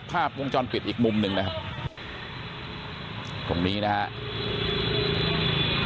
ภาพวงจรปิดอีกมุมหนึ่งนะครับตรงนี้นะครับ